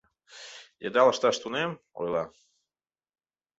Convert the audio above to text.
Йыдал ышташ тунем, — ойла.